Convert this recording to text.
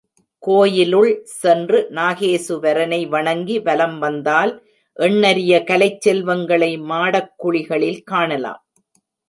கோயிலுள் சென்று நாகேசுவரனை வணங்கி வலம் வந்தால் எண்ணரிய கலைச்செல்வங்களை மாடக் குழிகளில் காணலாம்.